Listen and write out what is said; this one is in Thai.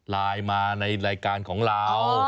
ไลน์มาในรายการของเรา